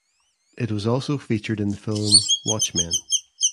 It was also featured in the film "Watchmen".